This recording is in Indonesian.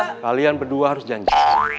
kalian berdua harus janjikan